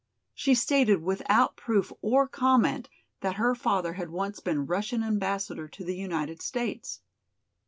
She stated without proof or comment that her father had once been Russian Ambassador to the United States.